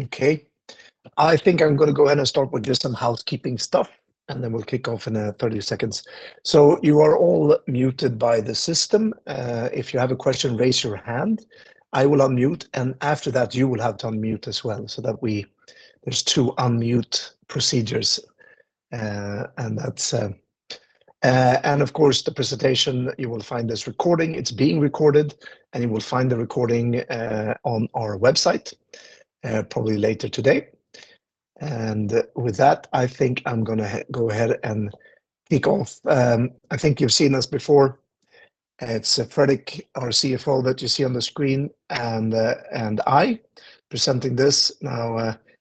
Okay. I think I'm gonna go ahead and start with just some housekeeping stuff, then we'll kick off in 30 seconds. You are all muted by the system. If you have a question, raise your hand. I will unmute, after that you will have to unmute as well, so that there's two unmute procedures. And that's. The presentation, you will find this recording. It's being recorded, you will find the recording on our website probably later today. With that, I think I'm gonna go ahead and kick off. I think you've seen us before. It's Fredrik, our CFO, that you see on the screen, and I presenting this.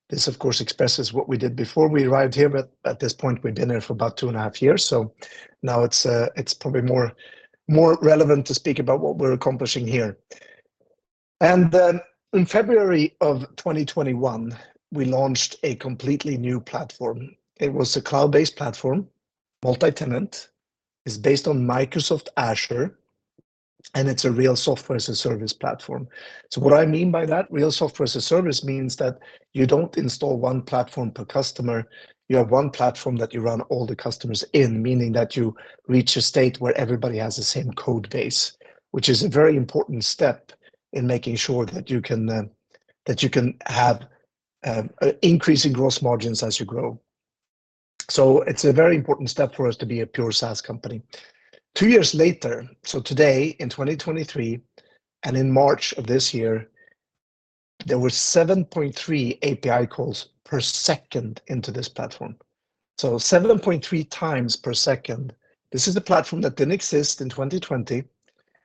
This, of course, expresses what we did before we arrived here, but at this point we've been here for about 2.5 years, so now it's probably more, more relevant to speak about what we're accomplishing here. In February of 2021, we launched a completely new platform. It was a cloud-based platform, multi-tenant. It's based on Microsoft Azure, and it's a real software-as-a-service platform. What I mean by that, real software-as-a-service means that you don't install one platform per customer. You have one platform that you run all the customers in, meaning that you reach a state where everybody has the same code base, which is a very important step in making sure that you can that you can have increasing gross margins as you grow. It's a very important step for us to be a pure SaaS company. Two years later, today in 2023, and in March of this year, there were 7.3 API calls per second into this platform. 7.3 times per second. This is a platform that didn't exist in 2020.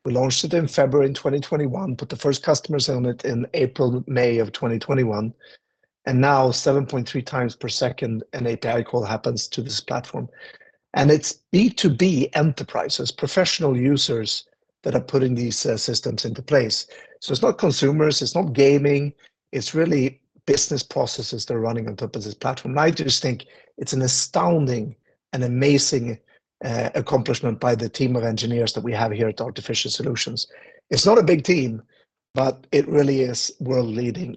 We launched it in February in 2021, put the first customers on it in April, May of 2021, and now 7.3 time per second an API call happens to this platform. It's B2B enterprises, professional users that are putting these systems into place. It's not consumers, it's not gaming, it's really business processes that are running on top of this platform. I just think it's an astounding and amazing accomplishment by the team of engineers that we have here at Artificial Solutions. It's not a big team, but it really is world-leading.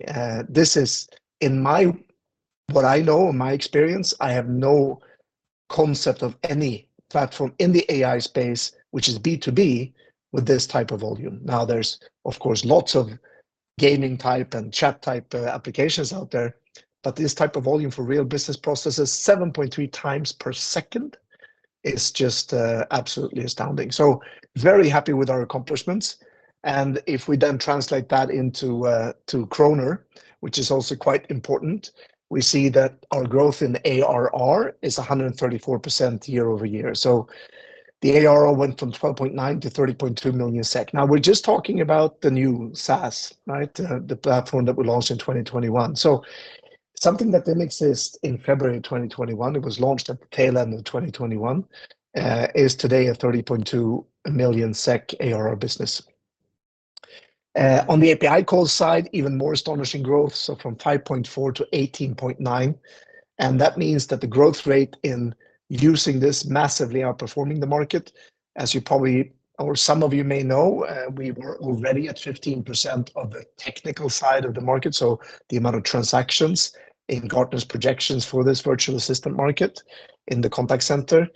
This is what I know, in my experience, I have no concept of any platform in the AI space, which is B2B, with this type of volume. There's of course lots of gaming-type and chat-type applications out there, but this type of volume for real business processes, 7.3 times per second, is just absolutely astounding. Very happy with our accomplishments. If we then translate that into kronor, which is also quite important, we see that our growth in ARR is 134% year-over-year. The ARR went from 12.9 million-30.2 million SEK. We're just talking about the new SaaS, right? The platform that we launched in 2021. Something that didn't exist in February 2021, it was launched at the tail end of 2021, is today a 30.2 million SEK ARR business. On the API call side, even more astonishing growth, from 5.4 to 18.9, that means that the growth rate in using this massively outperforming the market. As you probably or some of you may know, we were already at 15% of the technical side of the market, so the amount of transactions in Gartner's projections for this virtual assistant market in the contact center.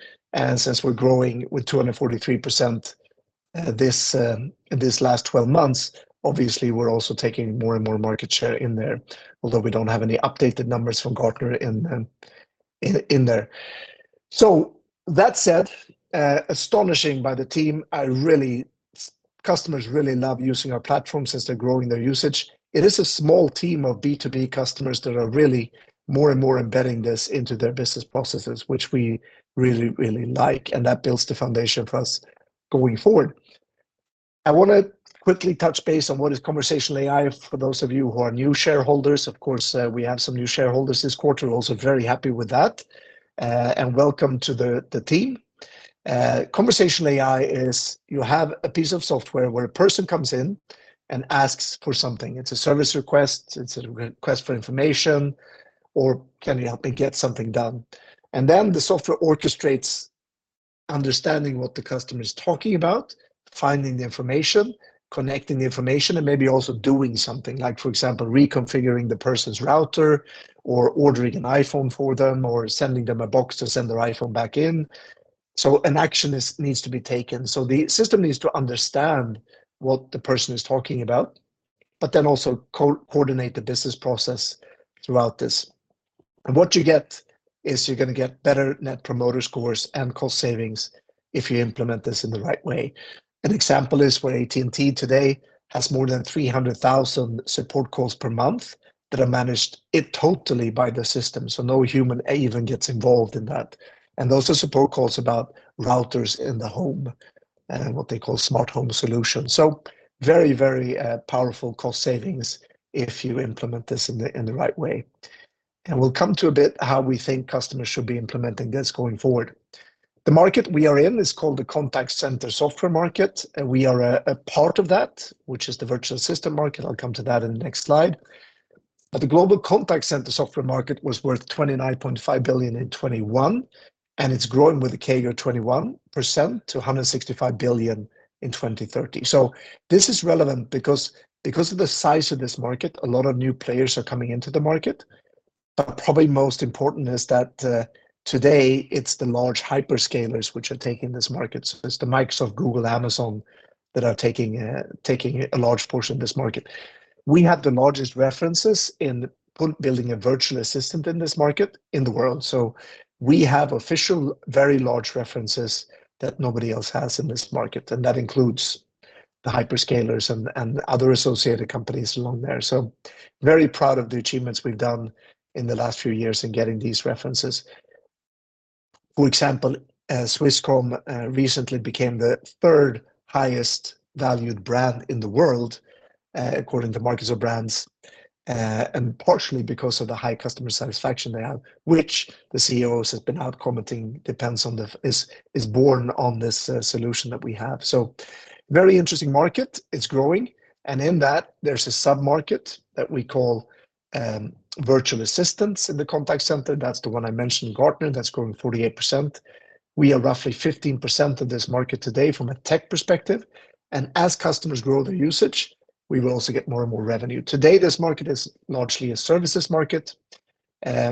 Since we're growing with 243%, this last 12 months, obviously we're also taking more and more market share in there, although we don't have any updated numbers from Gartner in there. That said, astonishing by the team. Customers really love using our platform since they're growing their usage. It is a small team of B2B customers that are really more and more embedding this into their business processes, which we really, really like, and that builds the foundation for us going forward. I wanna quickly touch base on what is conversational AI for those of you who are new shareholders. Of course, we have some new shareholders this quarter. Also very happy with that, and welcome to the team. Conversational AI is you have a piece of software where a person comes in and asks for something. It's a service request, it's a request for information, or can you help me get something done? The software orchestrates understanding what the customer is talking about, finding the information, connecting the information, and maybe also doing something like, for example, reconfiguring the person's router or ordering an iPhone for them or sending them a box to send their iPhone back in. An action needs to be taken. The system needs to understand what the person is talking about, also co-coordinate the business process throughout this. What you get is you're gonna get better Net Promoter Scores and cost savings if you implement this in the right way. An example is where AT&T today has more than 300,000 support calls per month that are managed totally by the system, no human even gets involved in that. Those are support calls about routers in the home, what they call smart home solutions. Very, very powerful cost savings if you implement this in the right way. We'll come to a bit how we think customers should be implementing this going forward. The market we are in is called the contact center software market, and we are a part of that, which is the virtual assistant market. I'll come to that in the next slide. The global contact center software market was worth $29.5 billion in 2021, and it's growing with a CAGR of 21% to $165 billion in 2030. This is relevant because of the size of this market, a lot of new players are coming into the market. Probably most important is that today it's the large hyperscalers which are taking this market. It's the Microsoft, Google, Amazon that are taking a large portion of this market. We have the largest references in building a virtual assistant in this market in the world. We have official, very large references that nobody else has in this market, and that includes the hyperscalers and other associated companies along there. Very proud of the achievements we've done in the last few years in getting these references. For example, Swisscom recently became the third highest valued brand in the world, according to Kantar BrandZ, and partially because of the high customer satisfaction they have, which the CEOs have been out commenting is born on this solution that we have. Very interesting market. It's growing. In that, there's a sub-market that we call virtual assistants in the contact center. That's the one I mentioned in Gartner that's growing 48%. We are roughly 15% of this market today from a tech perspective. As customers grow their usage, we will also get more and more revenue. Today, this market is largely a services market.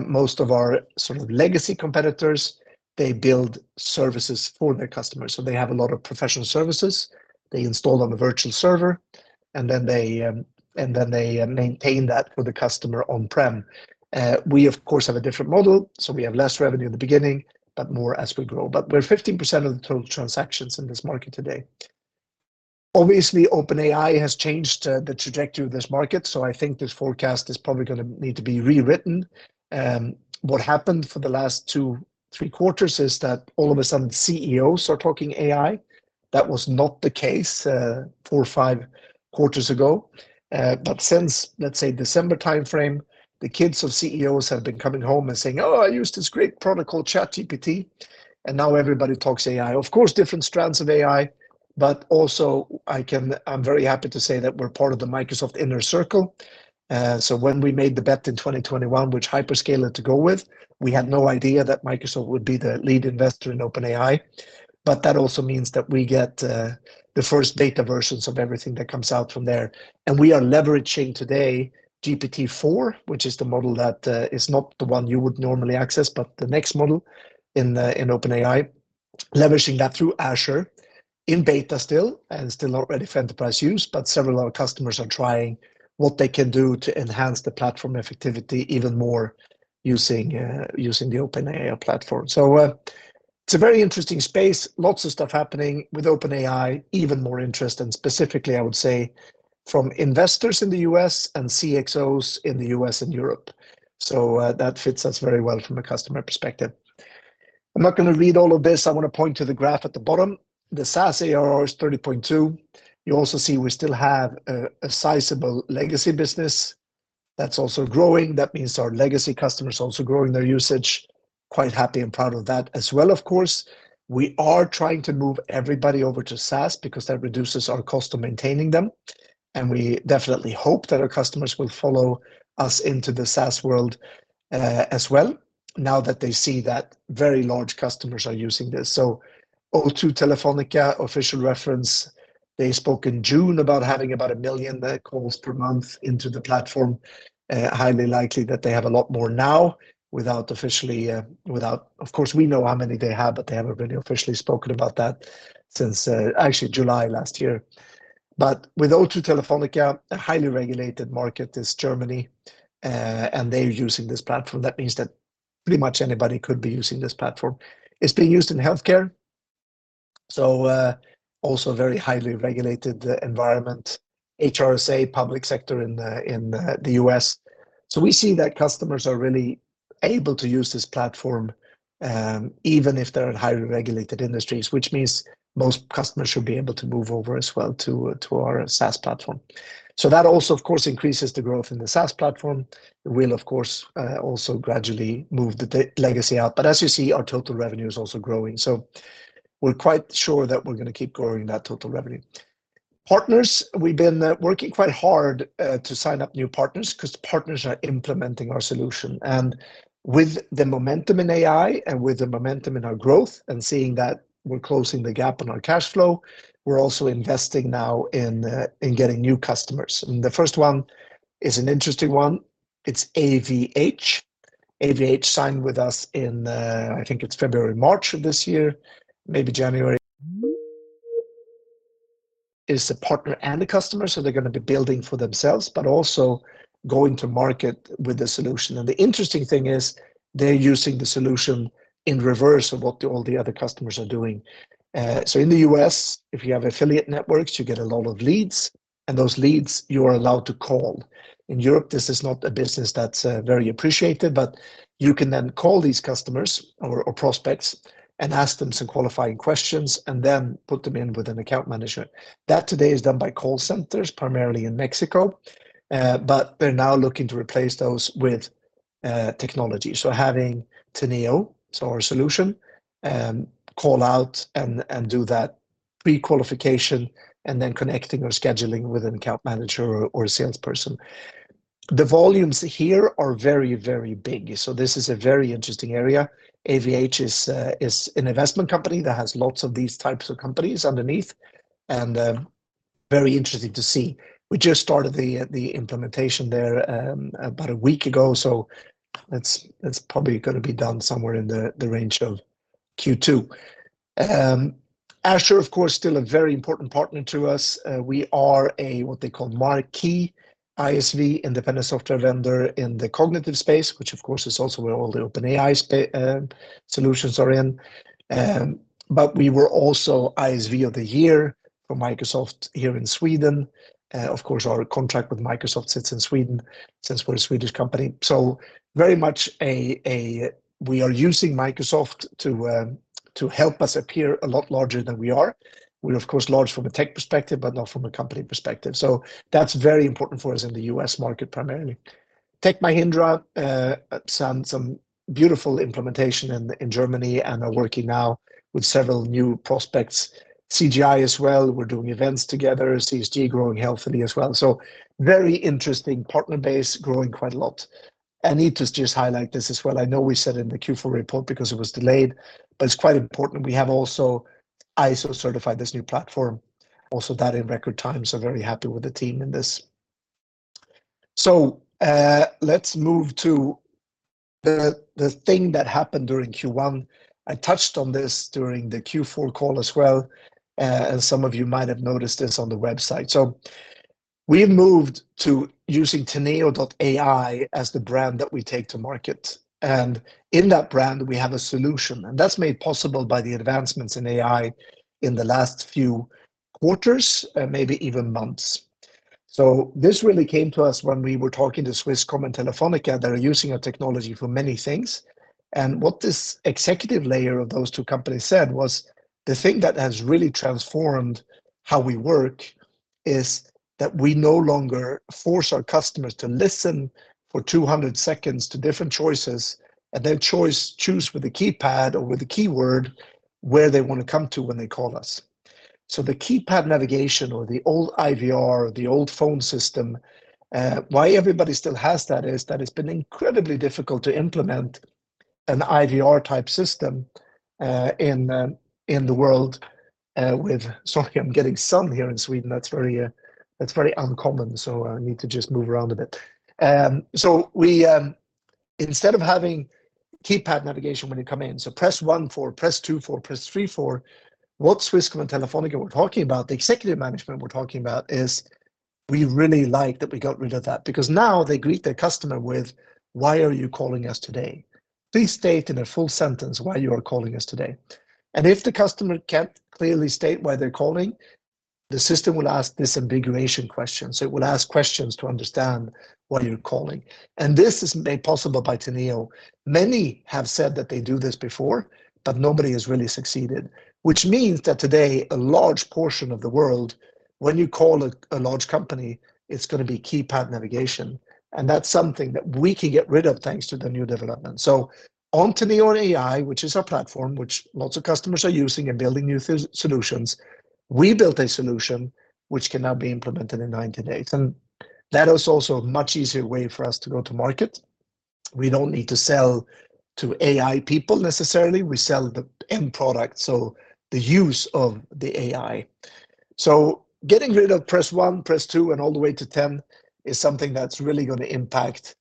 Most of our sort of legacy competitors, they build services for their customers. They have a lot of professional services. They install on a virtual server, and then they maintain that for the customer on-prem. We, of course, have a different model, so we have less revenue in the beginning, but more as we grow. We're 15% of the total transactions in this market today. Obviously, OpenAI has changed the trajectory of this market, so I think this forecast is probably gonna need to be rewritten. What happened for the last two, three quarters is that all of a sudden, CEOs are talking AI. That was not the case, four or five quarters ago. Since, let's say, December timeframe, the kids of CEOs have been coming home and saying, "Oh, I used this great product called ChatGPT," and now everybody talks AI. Of course, different strands of AI, but also I'm very happy to say that we're part of the Microsoft Inner Circle. When we made the bet in 2021 which hyperscaler to go with, we had no idea that Microsoft would be the lead investor in OpenAI. That also means that we get the first beta versions of everything that comes out from there. We are leveraging today GPT-4, which is the model that is not the one you would normally access, but the next model in OpenAI, leveraging that through Azure in beta still and still not ready for enterprise use. Several of our customers are trying what they can do to enhance the platform effectivity even more using the OpenAI platform. It's a very interesting space. Lots of stuff happening with OpenAI. Even more interest, and specifically, I would say, from investors in the U.S. and CXOs in the U.S. and Europe. That fits us very well from a customer perspective. I'm not gonna read all of this. I wanna point to the graph at the bottom. The SaaS ARR is 30.2. You also see we still have a sizable legacy business that's also growing. That means our legacy customers are also growing their usage. Quite happy and proud of that as well, of course. We are trying to move everybody over to SaaS because that reduces our cost of maintaining them, and we definitely hope that our customers will follow us into the SaaS world as well now that they see that very large customers are using this. O2 Telefónica official reference, they spoke in June about having about 1 million calls per month into the platform. Highly likely that they have a lot more now without officially. Of course, we know how many they have, but they haven't really officially spoken about that since actually July last year. With O2 Telefónica, a highly regulated market is Germany, and they're using this platform. That means that pretty much anybody could be using this platform. It's being used in healthcare, also very highly regulated environment, HRSA, public sector in the U.S. We see that customers are really able to use this platform, even if they're in highly regulated industries, which means most customers should be able to move over as well to our SaaS platform. That also, of course, increases the growth in the SaaS platform. It will, of course, also gradually move the legacy out. As you see, our total revenue is also growing. We're quite sure that we're gonna keep growing that total revenue. Partners, we've been working quite hard to sign up new partners 'cause partners are implementing our solution. With the momentum in AI and with the momentum in our growth and seeing that we're closing the gap on our cash flow, we're also investing now in getting new customers. The first one is an interesting one. It's AVH. AVH signed with us in, I think it's February, March of this year, maybe January. Is a partner and a customer, so they're gonna be building for themselves but also going to market with a solution. The interesting thing is they're using the solution in reverse of what all the other customers are doing. In the U.S., if you have affiliate networks, you get a lot of leads. Those leads, you are allowed to call. In Europe, this is not a business that's very appreciated, but you can then call these customers or prospects and ask them some qualifying questions, and then put them in with an account manager. That today is done by call centers, primarily in Mexico, but they're now looking to replace those with technology. Having Teneo, so our solution, call out and do that prequalification and then connecting or scheduling with an account manager or a salesperson. The volumes here are very, very big. This is a very interesting area. AVH is an investment company that has lots of these types of companies underneath and very interesting to see. We just started the implementation there about a week ago. That's probably gonna be done somewhere in the range of Q2. Azure, of course, still a very important partner to us. We are a, what they call marquee ISV, independent software vendor, in the cognitive space, which of course is also where all the OpenAI solutions are in. We were also ISV of the Year for Microsoft here in Sweden. Of course our contract with Microsoft sits in Sweden since we're a Swedish company. We are using Microsoft to help us appear a lot larger than we are. We're of course large from a tech perspective, but not from a company perspective. That's very important for us in the U.S. market primarily. Tech Mahindra, some beautiful implementation in Germany and are working now with several new prospects. CGI as well, we're doing events together. CSG growing healthily as well. Very interesting partner base, growing quite a lot. I need to just highlight this as well. I know we said in the Q4 report because it was delayed, but it's quite important. We have also ISO certified this new platform, also that in record time. Very happy with the team in this. Let's move to the thing that happened during Q1. I touched on this during the Q4 call as well, and some of you might have noticed this on the website. We've moved to using Teneo.ai as the brand that we take to market, and in that brand we have a solution, and that's made possible by the advancements in AI in the last few quarters, maybe even months. This really came to us when we were talking to Swisscom and Telefónica that are using our technology for many things. What this executive layer of those two companies said was, "The thing that has really transformed how we work is that we no longer force our customers to listen for 200 seconds to different choices and then choose with a keypad or with a keyword where they want to come to when they call us." The keypad navigation or the old IVR or the old phone system, why everybody still has that is that it's been incredibly difficult to implement an IVR-type system in the world with. Sorry, I'm getting sun here in Sweden. That's very, that's very uncommon, so I need to just move around a bit. We, instead of having keypad navigation when you come in, press one for, press two for, press three for, what Swisscom and Telefónica were talking about, the executive management were talking about, is, "We really like that we got rid of that." Now they greet their customer with, "Why are you calling us today? Please state in a full sentence why you are calling us today." If the customer can't clearly state why they're calling, the system will ask disambiguation questions. It will ask questions to understand why you're calling, and this is made possible by Teneo. Many have said that they do this before, but nobody has really succeeded, which means that today a large portion of the world, when you call a large company, it's gonna be keypad navigation, and that's something that we can get rid of thanks to the new development. On Teneo AI, which is our platform, which lots of customers are using and building new solutions, we built a solution which can now be implemented in 90 days, and that is also a much easier way for us to go to market. We don't need to sell to AI people necessarily. We sell the end product, so the use of the AI. Getting rid of press 1, press 2, and all the way to 10 is something that's really gonna impact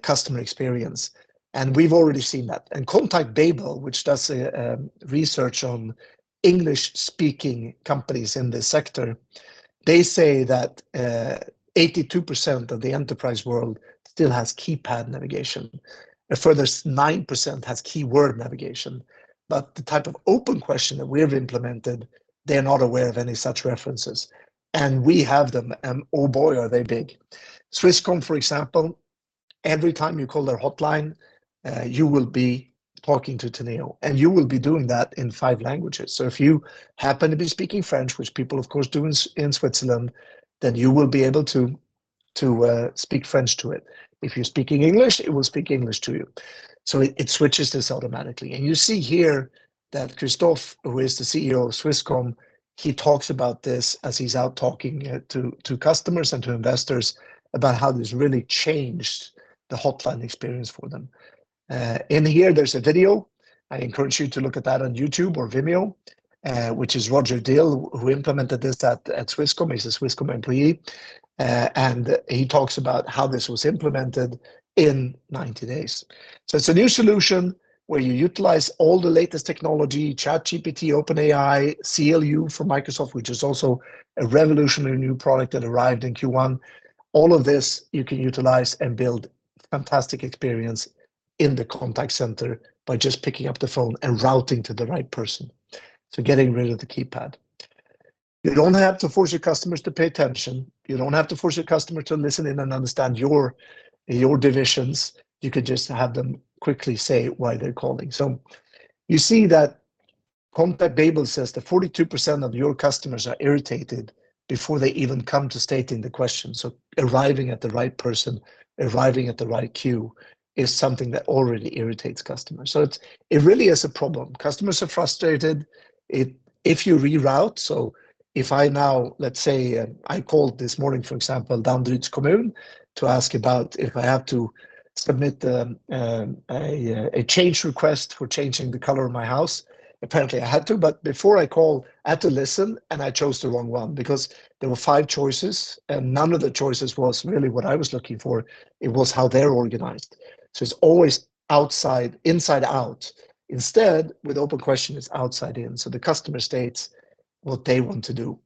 customer experience, and we've already seen that. ContactBabel, which does research on English-speaking companies in this sector, they say that 82% of the enterprise world still has keypad navigation. A further 9% has keyword navigation. The type of OpenQuestion that we have implemented, they're not aware of any such references. We have them, and oh boy, are they big. Swisscom, for example, every time you call their hotline, you will be talking to Teneo, and you will be doing that in 5 languages. If you happen to be speaking French, which people of course do in Switzerland, then you will be able to speak French to it. If you're speaking English, it will speak English to you. It switches this automatically. You see here that Christoph, who is the CEO of Swisscom, he talks about this as he's out talking to customers and to investors about how this really changed the hotline experience for them. In here, there's a video. I encourage you to look at that on YouTube or Vimeo, which is Roger Dill, who implemented this at Swisscom. He's a Swisscom employee, and he talks about how this was implemented in 90 days. It's a new solution where you utilize all the latest technology, ChatGPT, OpenAI, CLU from Microsoft, which is also a revolutionary new product that arrived in Q1. All of this you can utilize and build fantastic experience in the contact center by just picking up the phone and routing to the right person, so getting rid of the keypad. You don't have to force your customers to pay attention. You don't have to force your customer to listen in and understand your divisions. You can just have them quickly say why they're calling. You see that ContactBabel says that 42% of your customers are irritated before they even come to stating the question. Arriving at the right person, arriving at the right queue is something that already irritates customers. It really is a problem. Customers are frustrated. If you reroute, if I now, let's say, and I called this morning, for example, Danderyds Kommun to ask about if I have to submit a change request for changing the color of my house. Apparently, I had to, but before I call, I had to listen, and I chose the wrong one because there were 5 choices, and none of the choices was really what I was looking for. It was how they're organized. It's always inside out. Instead, with OpenQuestion, it's outside in. The customer states what they want to do.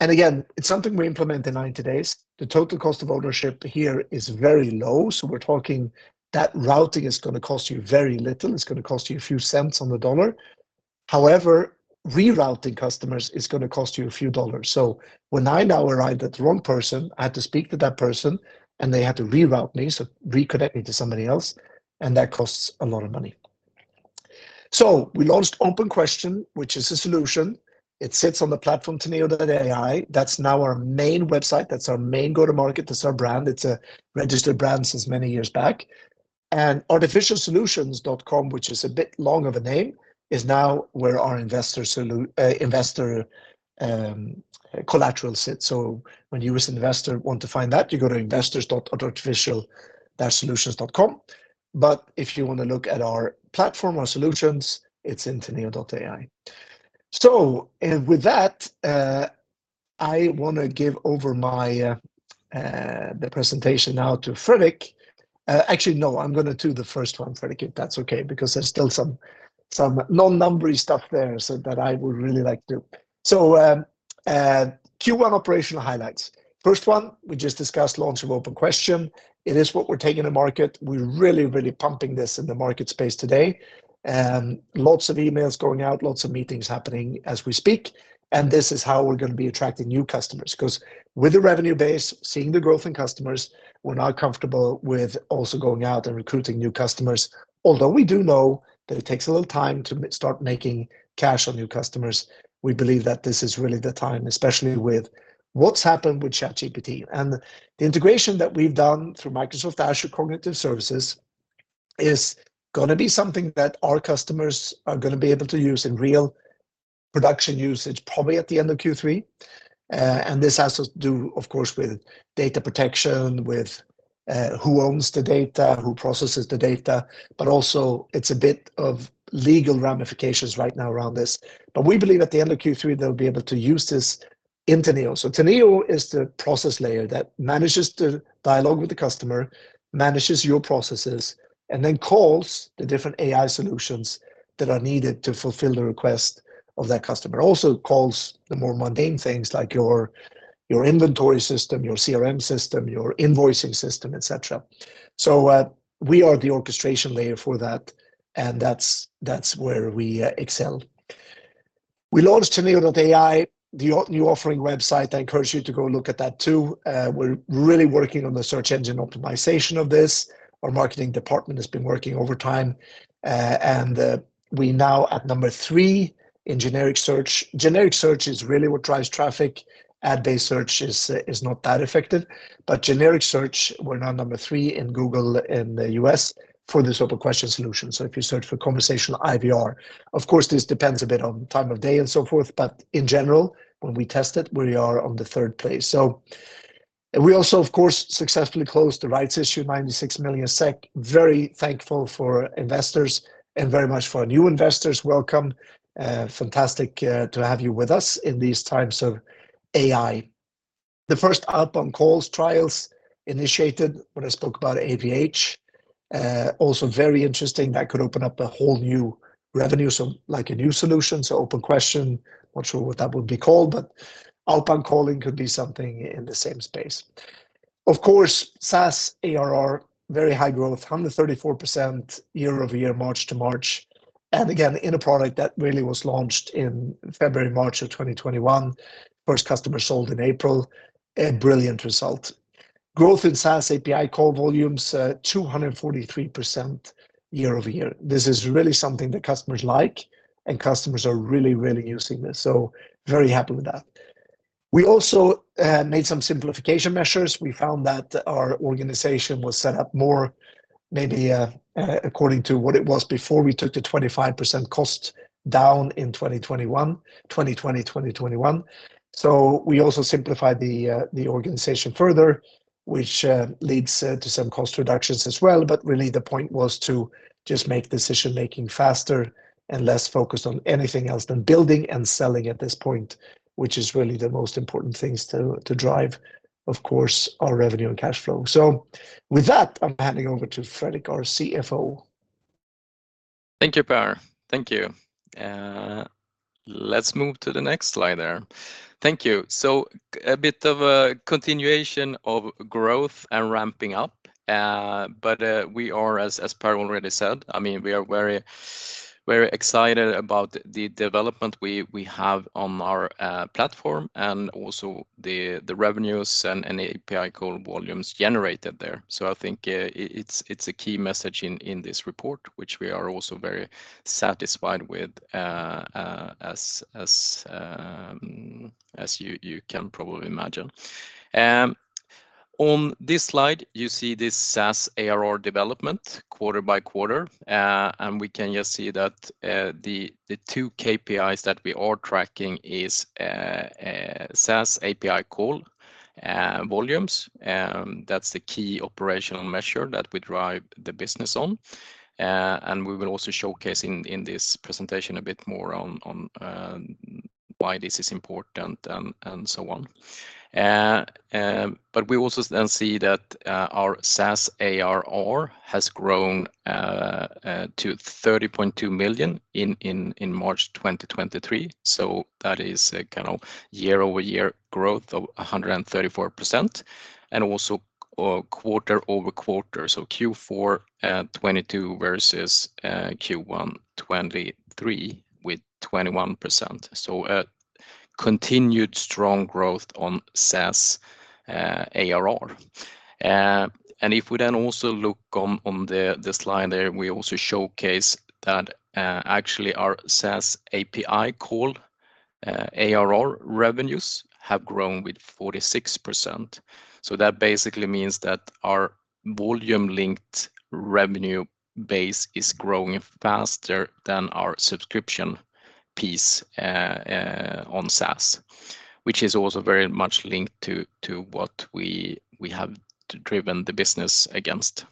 Again, it's something we implement in 90 days. The total cost of ownership here is very low. We're talking that routing is gonna cost you very little. It's gonna cost you a few cents on the dollar. However, rerouting customers is gonna cost you a few dollars. When I now arrived at the wrong person, I had to speak to that person, and they had to reroute me, so reconnect me to somebody else, and that costs a lot of money. We launched OpenQuestion, which is a solution. It sits on the platform, Teneo.ai. That's now our main website. That's our main go-to-market. That's our brand. It's a registered brand since many years back. artificialsolutions.com, which is a bit long of a name, is now where our investor collateral sits. When you, as investor, want to find that, you go to investors.artificial-solutions.com. If you wanna look at our platform, our solutions, it's in Teneo.ai. With that, I wanna give over my the presentation now to Fredrik. Actually, no, I'm gonna do the first one, Fredrik, if that's okay, because there's still some non-numbery stuff there so that I would really like to... Q1 operational highlights. First one, we just discussed launch of OpenQuestion. It is what we're taking to market. We're really pumping this in the market space today. Lots of emails going out, lots of meetings happening as we speak. This is how we're gonna be attracting new customers. Because with the revenue base, seeing the growth in customers, we're now comfortable with also going out and recruiting new customers. Although we do know that it takes a little time to start making cash on new customers, we believe that this is really the time, especially with what's happened with ChatGPT. The integration that we've done through Microsoft Azure Cognitive Services is gonna be something that our customers are gonna be able to use in real production usage, probably at the end of Q3. And this has to do, of course, with data protection, with who owns the data, who processes the data, but also it's a bit of legal ramifications right now around this. We believe at the end of Q3, they'll be able to use this in Teneo. Teneo is the process layer that manages the dialogue with the customer, manages your processes, and then calls the different AI solutions that are needed to fulfill the request of that customer. Also calls the more mundane things like your inventory system, your CRM system, your invoicing system, et cetera. We are the orchestration layer for that, and that's where we excel. We launched Teneo.ai, the new offering website. I encourage you to go look at that too. We're really working on the search engine optimization of this. Our marketing department has been working overtime, we now at number three in generic search. Generic search is really what drives traffic. Ad-based search is not that effective. Generic search, we're now number three in Google in the U.S. for this OpenQuestion solution. If you search for conversational IVR, of course, this depends a bit on time of day and so forth. In general, when we test it, we are on the third place. We also, of course, successfully closed the rights issue, 96 million SEK. Very thankful for investors and very much for our new investors. Welcome. Fantastic to have you with us in these times of AI. The first outbound calls trials initiated when I spoke about AVH. Also very interesting, that could open up a whole new revenue, so like a new solution. OpenQuestion, not sure what that would be called, but outbound calling could be something in the same space. Of course, SaaS ARR, very high growth, 134% year-over-year, March to March. Again, in a product that really was launched in February, March of 2021. First customer sold in April. A brilliant result. Growth in SaaS API call volumes, 243% year-over-year. This is really something that customers like, and customers are really using this. Very happy with that. We also made some simplification measures. We found that our organization was set up more maybe according to what it was before we took the 25% cost down in 2021, 2020, 2021. We also simplified the organization further, which leads to some cost reductions as well. Really the point was to just make decision-making faster and less focused on anything else than building and selling at this point, which is really the most important things to drive, of course, our revenue and cash flow. With that, I'm handing over to Fredrik, our CFO. Thank you, Per. Thank you. Let's move to the next slide there. Thank you. A bit of a continuation of growth and ramping up. We are, as Per already said, I mean, we are very, very excited about the development we have on our platform and also the revenues and API call volumes generated there. I think it's a key message in this report, which we are also very satisfied with, as you can probably imagine. On this slide, you see this SaaS ARR development quarter by quarter. We can just see that the two KPIs that we are tracking is SaaS API call volumes. That's the key operational measure that we drive the business on. We will also showcasing in this presentation a bit more on why this is important and so on. We also see that our SaaS ARR has grown to 30.2 million in March 2023. That is a kind of year-over-year growth of 134% and also quarter-over-quarter. Q4 2022 versus Q1 2023 with 21%. A continued strong growth on SaaS ARR. If we also look on this slide there, we also showcase that actually our SaaS API call ARR revenues have grown with 46%. That basically means that our volume-linked revenue base is growing faster than our subscription piece on SaaS, which is also very much linked to what we have driven the business against.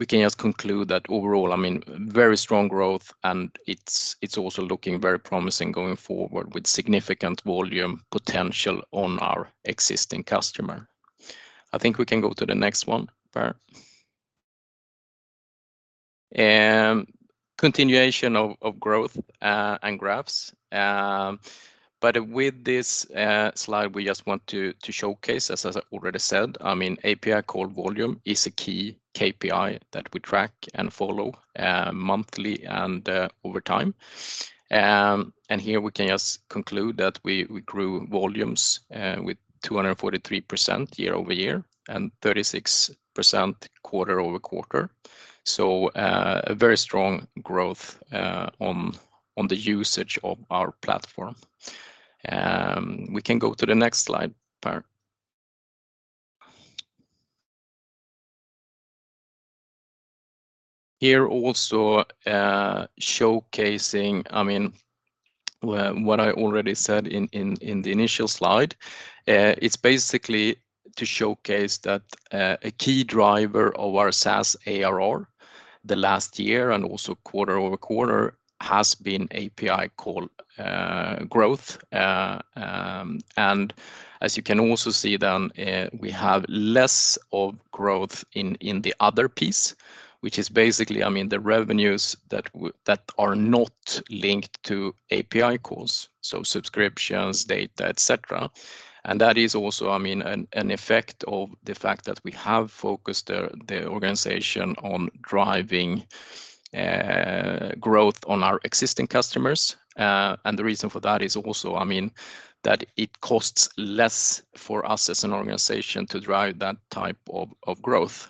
We can just conclude that overall, I mean, very strong growth, and it's also looking very promising going forward with significant volume potential on our existing customer. I think we can go to the next one, Per. Continuation of growth and graphs. With this slide, we just want to showcase, as I already said, I mean, API call volume is a key KPI that we track and follow monthly and over time. Here we can just conclude that we grew volumes with 243% year-over-year and 36% quarter-over-quarter. A very strong growth on the usage of our platform. We can go to the next slide, Per. Here also, showcasing, I mean, what I already said in the initial slide. It's basically to showcase that a key driver of our SaaS ARR the last year and also quarter-over-quarter has been API call growth. As you can also see then, we have less of growth in the other piece, which is basically, I mean, the revenues that are not linked to API calls, so subscriptions, data, et cetera. That is also, I mean, an effect of the fact that we have focused the organization on driving growth on our existing customers. The reason for that is also, I mean, that it costs less for us as an organization to drive that type of growth.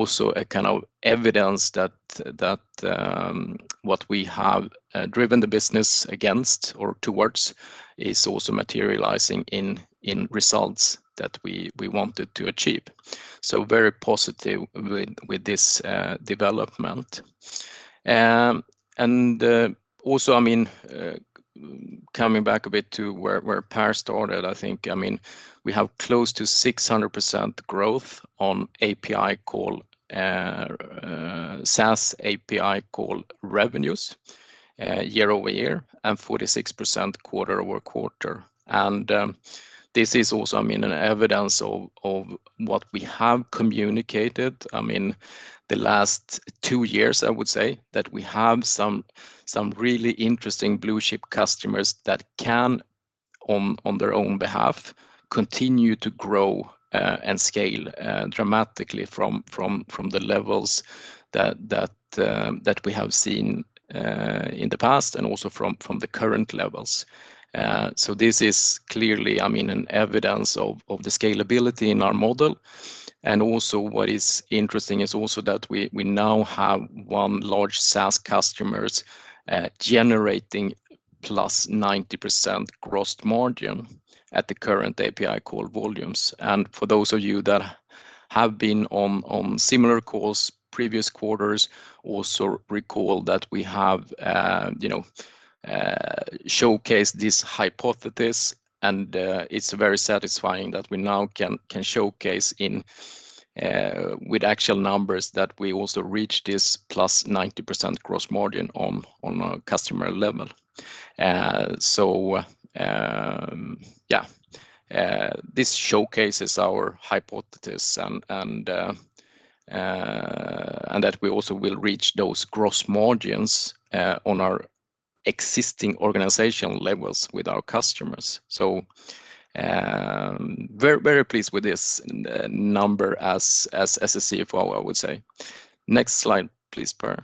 Also a kind of evidence that what we have driven the business against or towards is also materializing in results that we wanted to achieve. Very positive with this development. Also, I mean, coming back a bit to where Per started, I think, I mean, we have close to 600% growth on API call SaaS API call revenues year-over-year and 46% quarter-over-quarter. This is also, I mean, an evidence of what we have communicated, I mean, the last two years, I would say, that we have some really interesting blue-chip customers that can, on their own behalf, continue to grow and scale dramatically from the levels that we have seen in the past and also from the current levels. This is clearly, I mean, an evidence of the scalability in our model. Also what is interesting is also that we now have 1 large SaaS customers generating +90% gross margin at the current API call volumes. For those of you that have been on similar calls previous quarters, also recall that we have, you know, showcased this hypothesis, and it's very satisfying that we now can showcase with actual numbers that we also reach this +90% gross margin on a customer level. Yeah, this showcases our hypothesis and that we also will reach those gross margins on our existing organizational levels with our customers. Very, very pleased with this number as a CFO, I would say. Next slide, please, Per.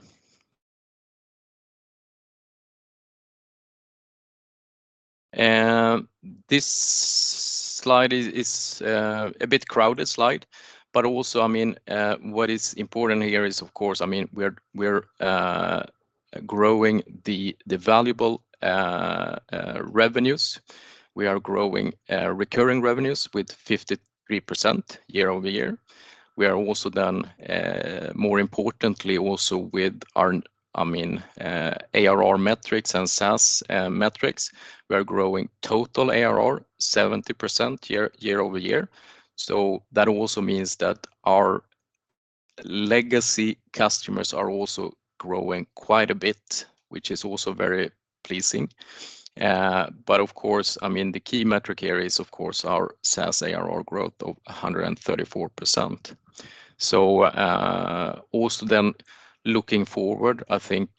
This slide is a bit crowded slide, but also, I mean, what is important here is of course, I mean we're growing the valuable revenues. We are growing recurring revenues with 53% year-over-year. We are also more importantly also with our, I mean, ARR metrics and SaaS metrics. We are growing total ARR 70% year-over-year. That also means that our legacy customers are also growing quite a bit, which is also very pleasing. Of course, I mean, the key metric here is of course our SaaS ARR growth of 134%. Also looking forward, I think,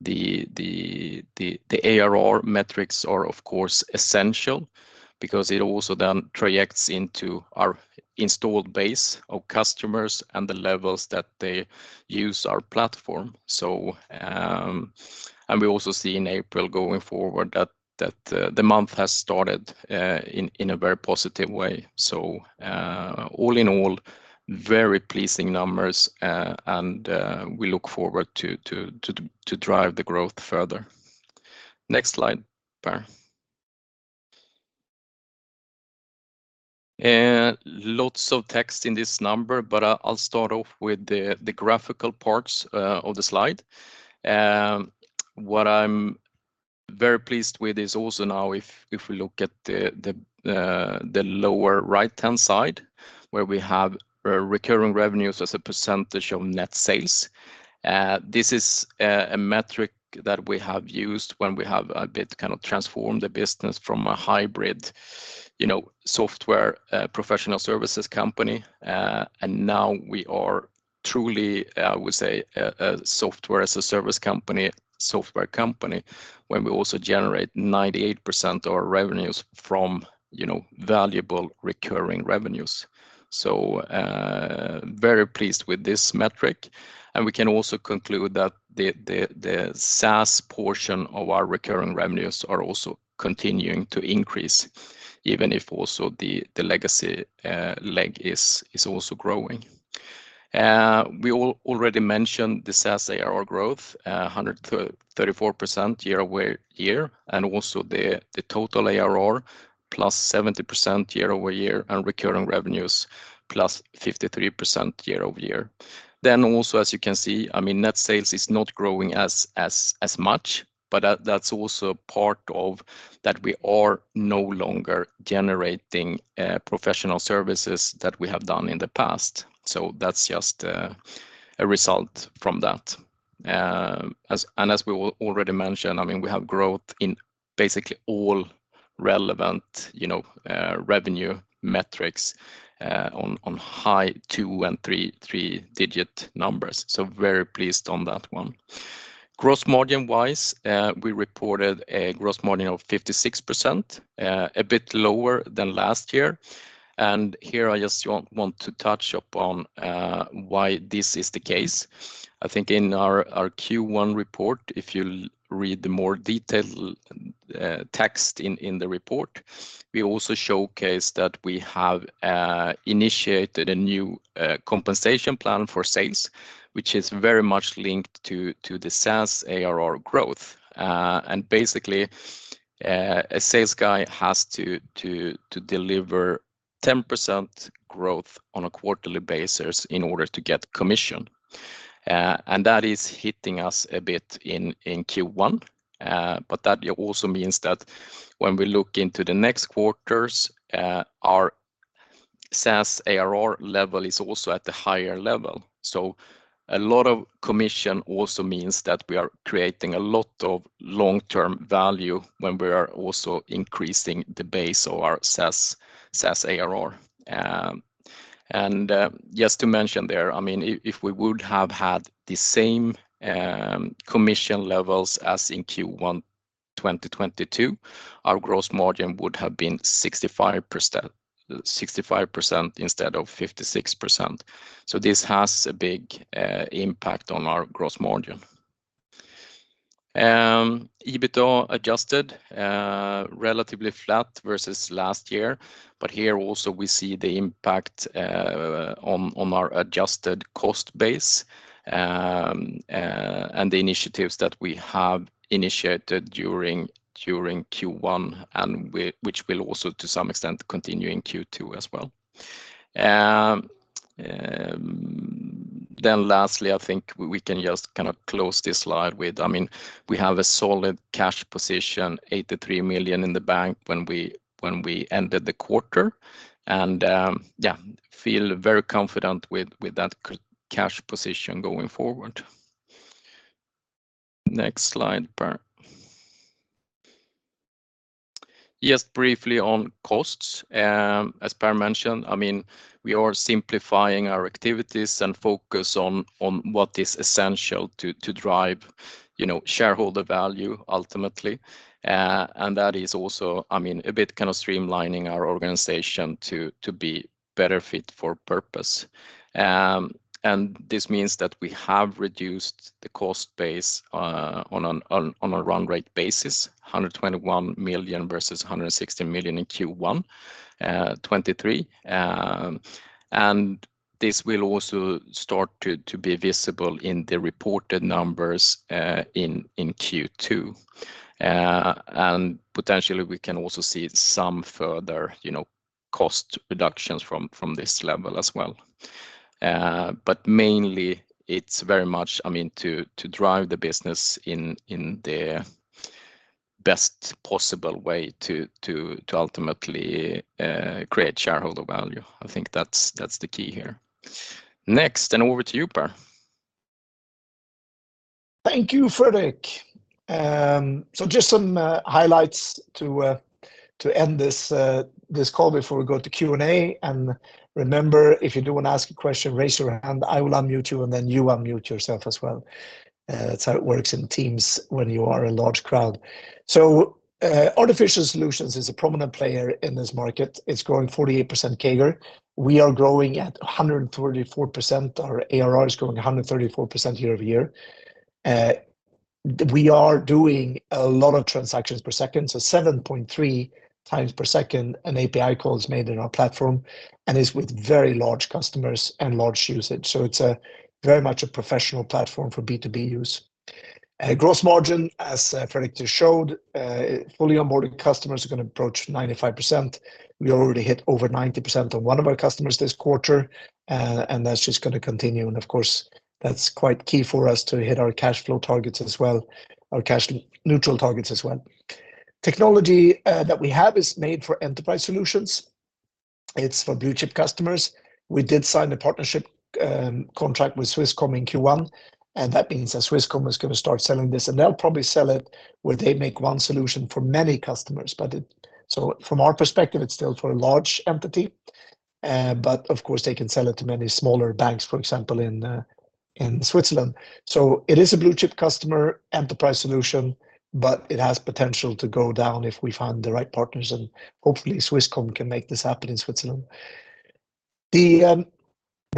the ARR metrics are of course essential because it also then projects into our installed base of customers and the levels that they use our platform. We also see in April going forward that the month has started in a very positive way. All in all, very pleasing numbers, we look forward to drive the growth further. Next slide, Per. Lots of text in this number, but I'll start off with the graphical parts of the slide. What I'm very pleased with is also now if we look at the lower right-hand side where we have recurring revenues as a percentage of net sales. This is a metric that we have used when we have a bit kind of transformed the business from a hybrid, you know, software, professional services company. Now we are truly, I would say a software as a service company, software company, when we also generate 98% of our revenues from, you know, valuable recurring revenues. Very pleased with this metric. We can also conclude that the SaaS portion of our recurring revenues are also continuing to increase, even if also the legacy leg is also growing. We already mentioned the SaaS ARR growth, 134% year-over-year, the total ARR +70% year-over-year and recurring revenues +53% year-over-year. As you can see, I mean, net sales is not growing as much, but that's also part of that we are no longer generating professional services that we have done in the past. That's just a result from that. As we already mentioned, I mean, we have growth in basically all relevant, you know, revenue metrics on high 2 and 3-digit numbers. Very pleased on that one. Gross margin-wise, we reported a gross margin of 56%, a bit lower than last year. Here I just want to touch upon why this is the case. I think in our Q1 report, if you read the more detailed text in the report, we also showcase that we have initiated a new compensation plan for sales, which is very much linked to the SaaS ARR growth. Basically, a sales guy has to deliver 10% growth on a quarterly basis in order to get commission. That is hitting us a bit in Q1. That also means that when we look into the next quarters, our SaaS ARR level is also at the higher level. A lot of commission also means that we are creating a lot of long-term value when we are also increasing the base of our SaaS ARR. Just to mention there, I mean, if we would have had the same commission levels as in Q1 2022, our gross margin would have been 65%. 65% instead of 56%. This has a big impact on our gross margin. EBITDA adjusted, relatively flat versus last year. Here also we see the impact on our adjusted cost base and the initiatives that we have initiated during Q1 and which will also to some extent continue in Q2 as well. Lastly, I think we can just kind of close this slide with, I mean, we have a solid cash position, 83 million in the bank when we ended the quarter. Yeah, feel very confident with that cash position going forward. Next slide, Per. Just briefly on costs. As Per mentioned, I mean, we are simplifying our activities and focus on what is essential to drive, you know, shareholder value ultimately. That is also, I mean, a bit kind of streamlining our organization to be better fit for purpose. This means that we have reduced the cost base on a run rate basis, 121 million versus 160 million in Q1 2023. This will also start to be visible in the reported numbers in Q2. Potentially we can also see some further, you know, cost reductions from this level as well. Mainly it's very much, I mean, to drive the business in the best possible way to ultimately create shareholder value. I think that's the key here. Next, over to you, Per. Thank you, Fredrik. Just some highlights to end this call before we go to Q&A. Remember, if you do want to ask a question, raise your hand. I will unmute you unmute yourself as well. That's how it works in Teams when you are a large crowd. Artificial Solutions is a prominent player in this market. It's growing 48% CAGR. We are growing at 134%. Our ARR is growing 134% year-over-year. We are doing a lot of transactions per second. 7.3 times per second an API call is made in our platform and is with very large customers and large usage. It's very much a professional platform for B2B use. Gross margin, as Fredrik just showed, fully onboarded customers are going to approach 95%. We already hit over 90% on one of our customers this quarter. That's just going to continue. Of course, that's quite key for us to hit our cash flow targets as well, our cash neutral targets as well. Technology that we have is made for enterprise solutions. It's for blue chip customers. We did sign a partnership contract with Swisscom in Q1. That means that Swisscom is going to start selling this. They'll probably sell it where they make one solution for many customers. From our perspective, it's still for a large entity. Of course, they can sell it to many smaller banks, for example, in Switzerland. It is a blue chip customer enterprise solution, but it has potential to go down if we find the right partners. Hopefully Swisscom can make this happen in Switzerland. The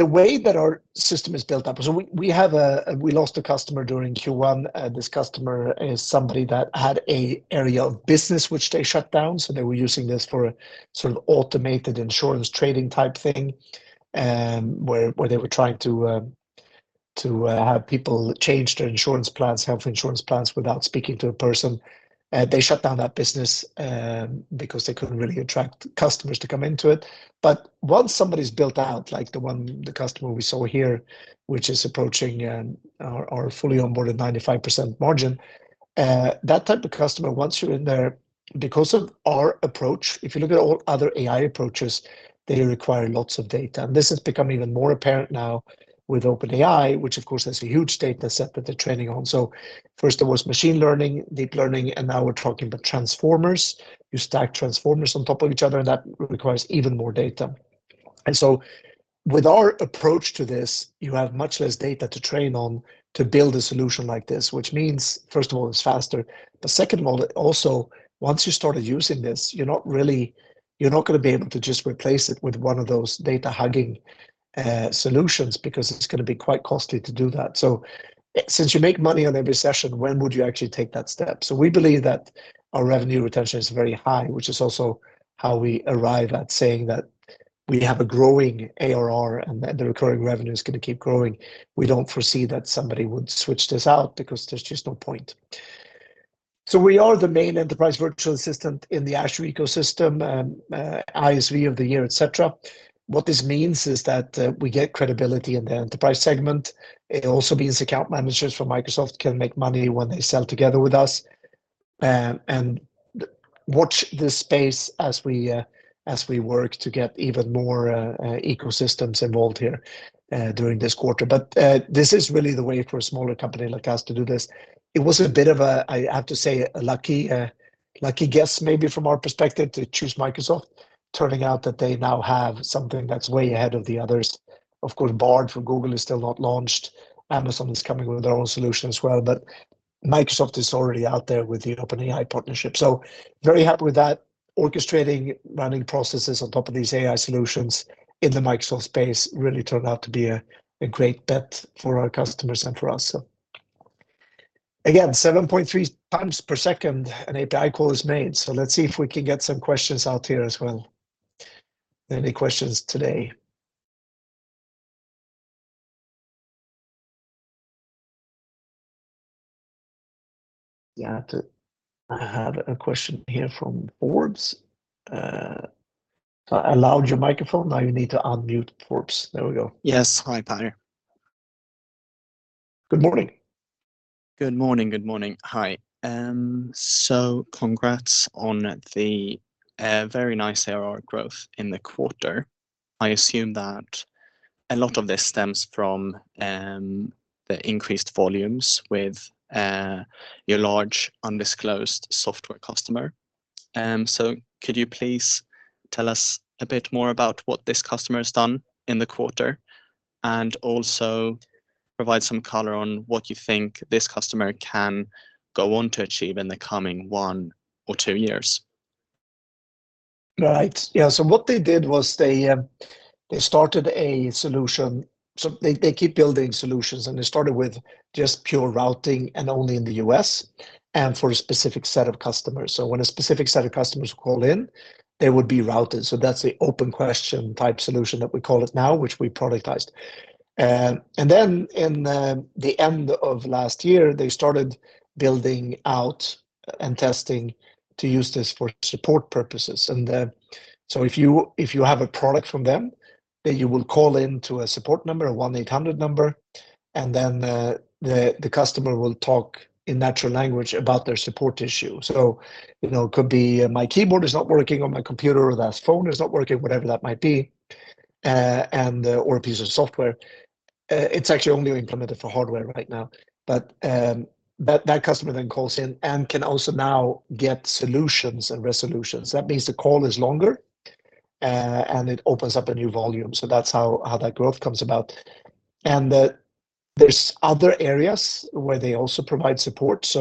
way that our system is built up. We lost a customer during Q1. This customer is somebody that had an area of business which they shut down. They were using this for sort of automated insurance trading type thing where they were trying to have people change their insurance plans, health insurance plans without speaking to a person. They shut down that business because they couldn't really attract customers to come into it. Once somebody's built out like the one, the customer we saw here, which is approaching our fully onboarded 95% margin, that type of customer, once you're in there, because of our approach, if you look at all other AI approaches, they require lots of data. This has become even more apparent now with OpenAI, which of course has a huge data set that they're training on. First it was machine learning, deep learning, and now we're talking about transformers. You stack transformers on top of each other and that requires even more data. With our approach to this, you have much less data to train on to build a solution like this, which means first of all, it's faster. Second of all, also, once you started using this, you're not really, you're not going to be able to just replace it with one of those data hugging solutions because it's going to be quite costly to do that. Since you make money on every session, when would you actually take that step? We believe that our revenue retention is very high, which is also how we arrive at saying that we have a growing ARR and the recurring revenue is going to keep growing. We don't foresee that somebody would switch this out because there's just no point. We are the main enterprise virtual assistant in the Azure ecosystem, ISV of the Year, et cetera. What this means is that we get credibility in the enterprise segment. It also means account managers from Microsoft can make money when they sell together with us and watch this space as we work to get even more ecosystems involved here during this quarter. This is really the way for a smaller company like us to do this. It was a bit of a, I have to say, a lucky guess maybe from our perspective to choose Microsoft, turning out that they now have something that's way ahead of the others. Of course, Bard from Google is still not launched. Amazon is coming with their own solution as well, but Microsoft is already out there with the OpenAI partnership. Very happy with that. Orchestrating running processes on top of these AI solutions in the Microsoft space really turned out to be a great bet for our customers and for us. Again, 7.3 times per second an API call is made. Let's see if we can get some questions out here as well. Any questions today? Yeah, I had a question here from Forbes. I allowed your microphone. Now you need to unmute Forbes. There we go. Yes. Hi, Per. Good morning. Good morning. Good morning. Hi. Congrats on the very nice ARR growth in the quarter. I assume that a lot of this stems from the increased volumes with your large undisclosed software customer. Could you please tell us a bit more about what this customer has done in the quarter and also provide some color on what you think this customer can go on to achieve in the coming one or two years? Right. Yeah. What they did was they started a solution. They keep building solutions, and they started with just pure routing and only in the U.S. and for a specific set of customers. When a specific set of customers call in, they would be routed. That's the OpenQuestion type solution that we call it now, which we productized. Then in the end of last year, they started building out and testing to use this for support purposes. If you have a product from them, then you will call into a support number, a 1-800 number, and then the customer will talk in natural language about their support issue. You know, it could be my keyboard is not working or my computer or that phone is not working, whatever that might be, or a piece of software. It's actually only implemented for hardware right now. That customer then calls in and can also now get solutions and resolutions. That means the call is longer, and it opens up a new volume. That's how that growth comes about. There's other areas where they also provide support.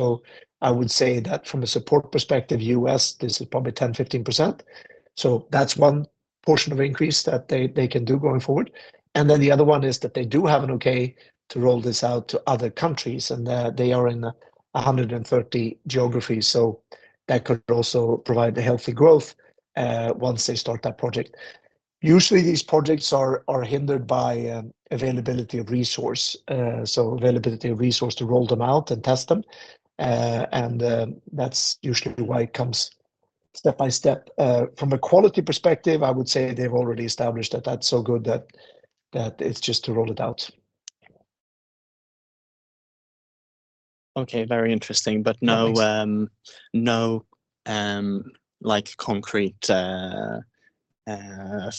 I would say that from a support perspective, U.S., this is probably 10%-15%. That's one portion of increase that they can do going forward. The other one is that they do have an okay to roll this out to other countries, and they are in 130 geographies. That could also provide a healthy growth once they start that project. Usually, these projects are hindered by availability of resource, so availability of resource to roll them out and test them. That's usually why it comes step by step. From a quality perspective, I would say they've already established that that's so good that it's just to roll it out. Okay, very interesting. no, like concrete,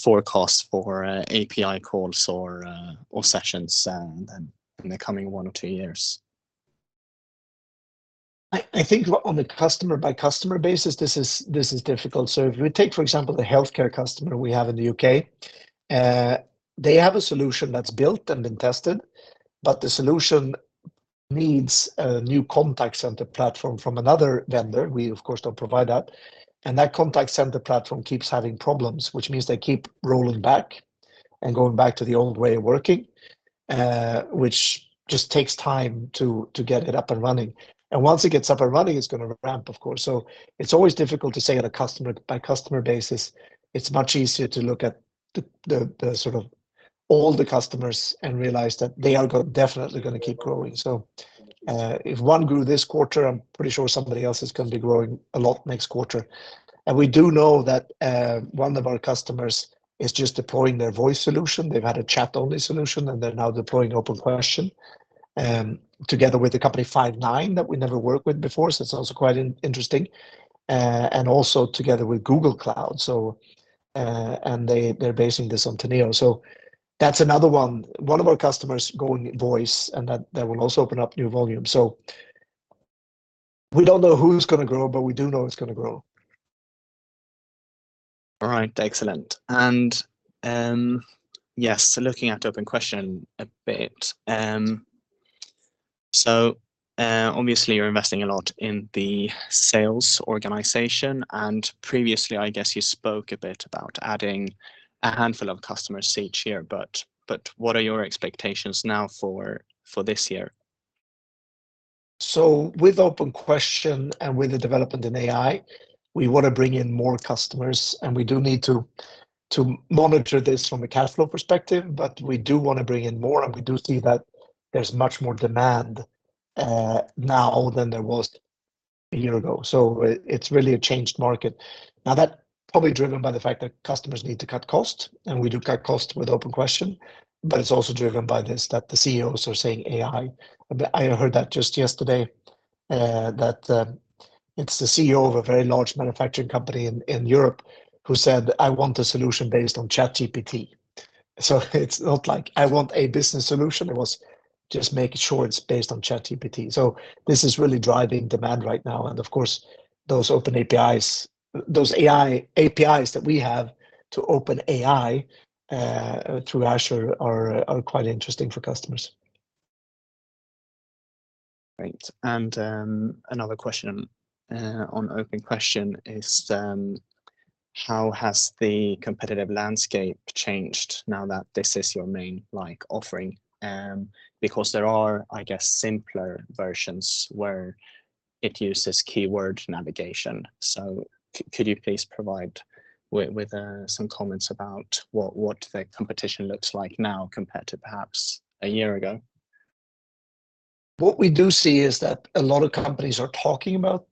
forecast for API calls or sessions, in the coming 1 or 2 years. I think on a customer by customer basis, this is difficult. If you take, for example, the healthcare customer we have in the UK, they have a solution that's built and been tested, but the solution needs a new contact center platform from another vendor. We of course don't provide that. That contact center platform keeps having problems, which means they keep rolling back and going back to the old way of working, which just takes time to get it up and running. Once it gets up and running, it's gonna ramp, of course. It's always difficult to say on a customer by customer basis. It's much easier to look at the sort of all the customers and realize that they are definitely gonna keep growing. If one grew this quarter, I'm pretty sure somebody else is gonna be growing a lot next quarter. We do know that one of our customers is just deploying their voice solution. They've had a chat-only solution, and they're now deploying OpenQuestion, together with the company Five9 that we never worked with before. It's also quite interesting, and also together with Google Cloud. They're basing this on Teneo. That's another one of our customers going voice, and that will also open up new volume. We don't know who's gonna grow, but we do know it's gonna grow. All right, excellent. Yes, looking at OpenQuestion a bit, obviously you're investing a lot in the sales organization, previously I guess you spoke a bit about adding a handful of customers each year, but what are your expectations now for this year? With OpenQuestion and with the development in AI, we wanna bring in more customers, and we do need to monitor this from a cash flow perspective. We do wanna bring in more, and we do see that there's much more demand now than there was a year ago. It's really a changed market. That probably driven by the fact that customers need to cut cost, and we do cut cost with OpenQuestion, but it's also driven by this, that the CEOs are saying AI. I heard that just yesterday that it's the CEO of a very large manufacturing company in Europe who said, "I want a solution based on ChatGPT." It's not like, "I want a business solution." It was just make sure it's based on ChatGPT. This is really driving demand right now. Of course, those open APIs, those AI APIs that we have to OpenAI, through Azure are quite interesting for customers. Great. Another question on OpenQuestion is how has the competitive landscape changed now that this is your main, like, offering? Because there are, I guess, simpler versions where it uses keyword navigation. Could you please provide with some comments about what the competition looks like now compared to perhaps a year ago? What we do see is that a lot of companies are talking about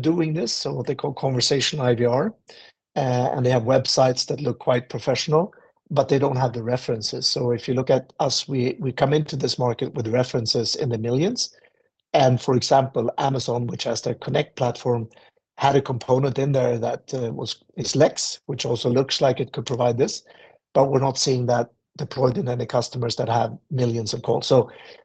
doing this, what they call conversational IVR, and they have websites that look quite professional, but they don't have the references. If you look at us, we come into this market with references in the millions. For example, Amazon, which has their Connect platform, had a component in there that is Lex, which also looks like it could provide this. We're not seeing that deployed in any customers that have millions of calls.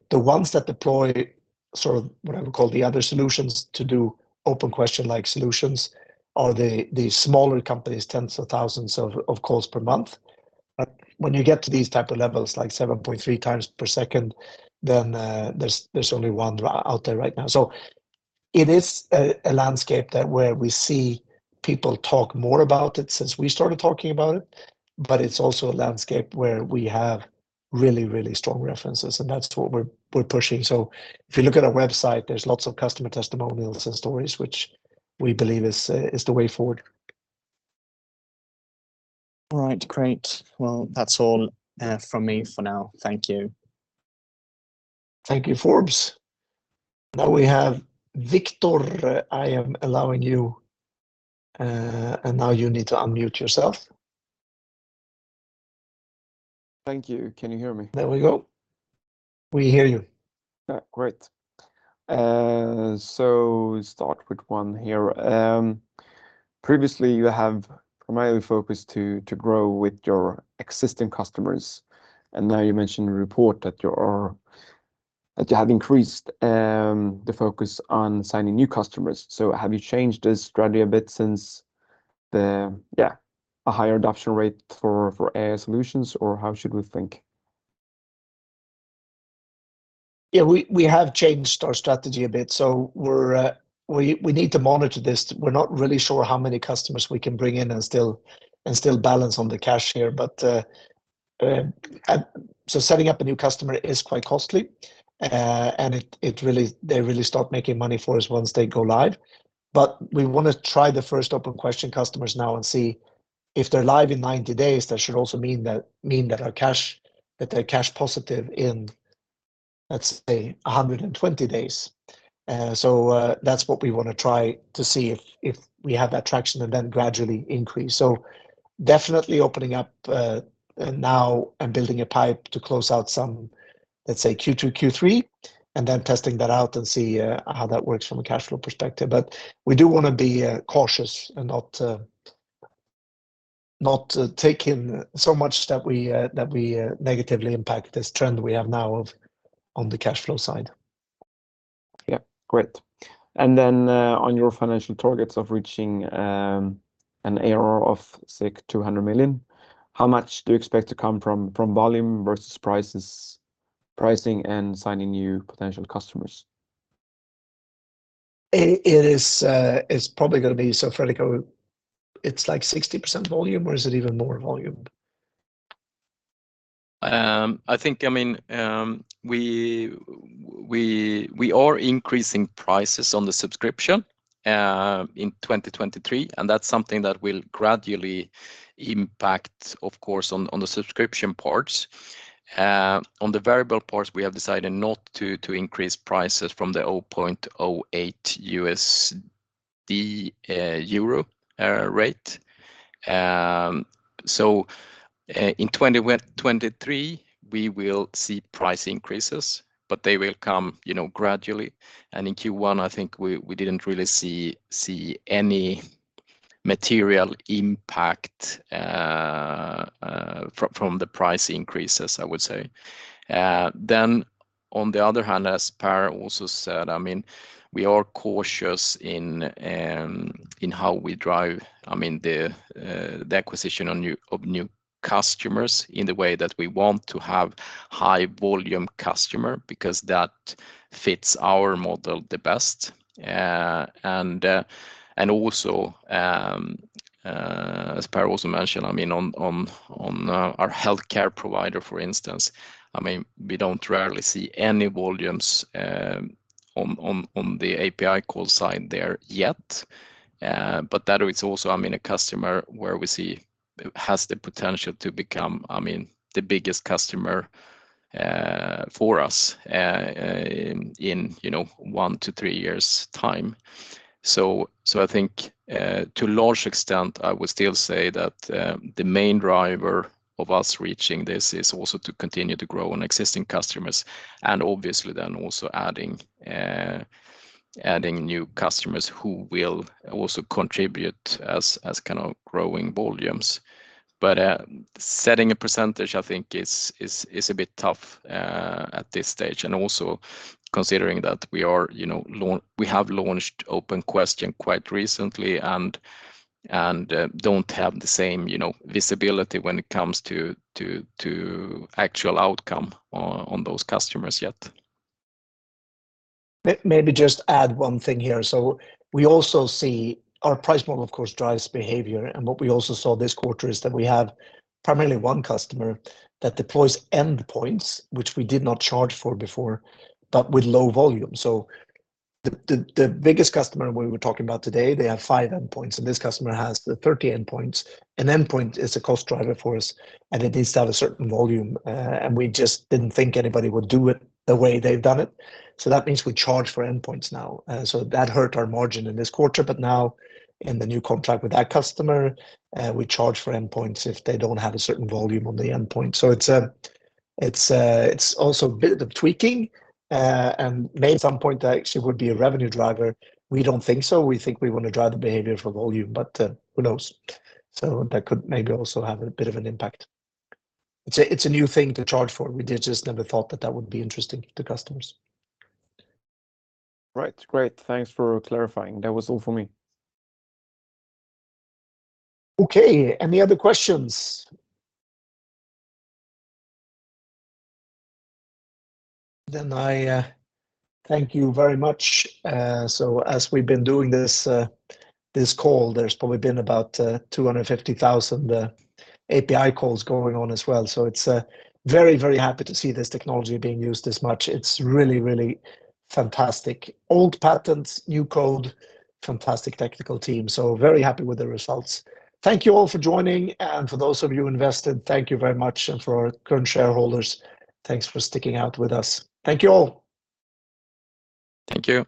The ones that deploy sort of what I would call the other solutions to do OpenQuestion like solutions are the smaller companies, tens of thousands of calls per month. When you get to these type of levels, like 7.3 times per second, then, there's only one out there right now. It is a landscape that where we see people talk more about it since we started talking about it. It's also a landscape where we have really strong references, and that's what we're pushing. If you look at our website, there's lots of customer testimonials and stories which we believe is the way forward. All right. Great. Well, that's all from me for now. Thank you. Thank you, Forbes. We have Viktor. I am allowing you, and now you need to unmute yourself. Thank you. Can you hear me? There we go. We hear you. Yeah, great. Start with one here. Previously you have primarily focused to grow with your existing customers, and now you mentioned in the report that you have increased the focus on signing new customers. Have you changed the strategy a bit since the a higher adoption rate for AI solutions, or how should we think? Yeah, we have changed our strategy a bit, so we need to monitor this. We're not really sure how many customers we can bring in and still balance on the cash here. So setting up a new customer is quite costly, and they really start making money for us once they go live. We wanna try the first OpenQuestion customers now and see if they're live in 90 days, that should also mean that they're cash positive in, let's say, 120 days. That's what we wanna try to see if we have that traction and then gradually increase. Definitely opening up now and building a pipe to close out some, let's say, Q2, Q3, and then testing that out and see how that works from a cash flow perspective. We do wanna be cautious and not not take in so much that we that we negatively impact this trend we have now on the cash flow side. Yeah. Great. On your financial targets of reaching an ARR of, say, 200 million, how much do you expect to come from volume versus prices, pricing and signing new potential customers? It's like 60% volume, or is it even more volume? I think, I mean, we are increasing prices on the subscription in 2023. That's something that will gradually impact, of course, on the subscription parts. On the variable parts, we have decided not to increase prices from the 0.08 USD, euro rate. In 2023 we will see price increases, but they will come, you know, gradually. In Q1, I think we didn't really see any material impact from the price increases, I would say. On the other hand, as Per also said, I mean, we are cautious in how we drive, I mean, the acquisition of new customers in the way that we want to have high volume customer because that fits our model the best. Also, as Per also mentioned, I mean, on our healthcare provider, for instance, I mean, we don't rarely see any volumes on the API call side there yet. That is also, I mean, a customer where we see has the potential to become, I mean, the biggest customer for us in, you know, one years to three years' time. I think to large extent, I would still say that the main driver of us reaching this is also to continue to grow on existing customers and obviously then also adding new customers who will also contribute as kind of growing volumes. Setting a percentage I think is a bit tough at this stage. Considering that we are, you know, we have launched OpenQuestion quite recently and don't have the same, you know, visibility when it comes to actual outcome on those customers yet. Maybe just add one thing here. We also see our price model, of course, drives behavior. What we also saw this quarter is that we have primarily one customer that deploys endpoints, which we did not charge for before, but with low volume. The biggest customer we were talking about today, they have five endpoints, and this customer has the 30 endpoints. An endpoint is a cost driver for us, and it needs to have a certain volume. We just didn't think anybody would do it the way they've done it. That means we charge for endpoints now. That hurt our margin in this quarter. Now in the new contract with that customer, we charge for endpoints if they don't have a certain volume on the endpoint. It's also a bit of tweaking, and may at some point actually would be a revenue driver. We don't think so. We think we wanna drive the behavior for volume, who knows? That could maybe also have a bit of an impact. It's a new thing to charge for. We just never thought that that would be interesting to customers. Right. Great. Thanks for clarifying. That was all for me. Okay. Any other questions? Then I thank you very much. As we've been doing this call, there's probably been about 250,000 API calls going on as well. It's very, very happy to see this technology being used this much. It's really, really fantastic. Old patents, new code, fantastic technical team. Very happy with the results. Thank you all for joining, and for those of you invested, thank you very much. For our current shareholders, thanks for sticking out with us. Thank you all. Thank you.